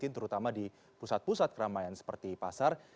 terutama di pusat pusat keramaian seperti pasar